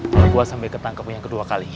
tapi gue sampai ketangkep yang kedua kalinya